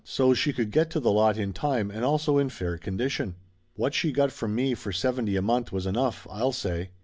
so's she could get to the lot in time and also in fair condition. What she got from me for seventy a month was enough, I'll say !